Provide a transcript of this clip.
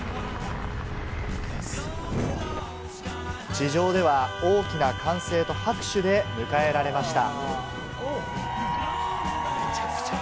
地上では、大きな歓声と拍手で迎えられました。